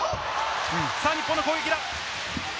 日本の攻撃だ。